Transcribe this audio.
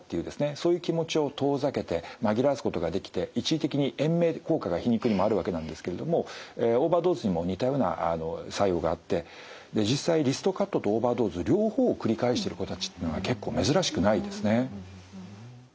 そういう気持ちを遠ざけて紛らわすことができて一時的に延命効果が皮肉にもあるわけなんですけれどもオーバードーズにも似たような作用があって実際リストカットとオーバードーズ両方を繰り返してる子たちってのは結構珍しくないですね。